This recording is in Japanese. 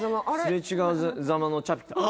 すれ違いざまのチャピああ！